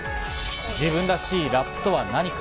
自分らしいラップとは何か？